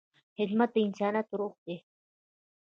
خدمت د انسانیت روح دی.